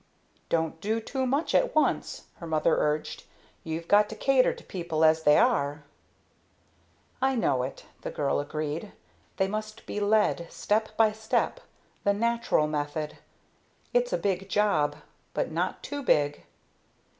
"Don't do too much at once," her mother urged. "You've got to cater to people as they are." "I know it," the girl agreed. "They must be led, step by step the natural method. It's a big job, but not too big.